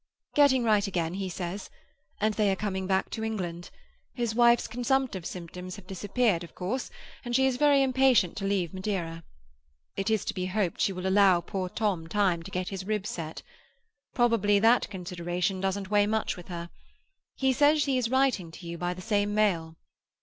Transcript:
"Getting right again, he says. And they are coming back to England; his wife's consumptive symptoms have disappeared, of course, and she is very impatient to leave Madeira. It is to be hoped she will allow poor Tom time to get his rib set. Probably that consideration doesn't weigh much with her. He says that he is writing to you by the same mail."